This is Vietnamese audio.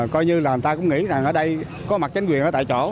coi như là người ta cũng nghĩ rằng ở đây có mặt chính quyền ở tại chỗ